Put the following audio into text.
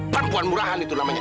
perempuan murahan itu namanya